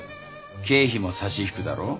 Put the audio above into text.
経費も差し引くだろ？